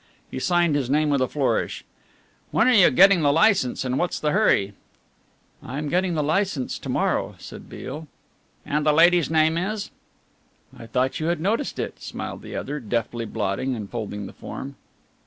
He signed his name with a flourish. "When are you getting the licence and what's the hurry?" "I am getting the licence to morrow," said Beale. "And the lady's name is ?" "I thought you had noticed it," smiled the other, deftly blotting and folding the form.